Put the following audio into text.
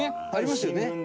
ありましたよね。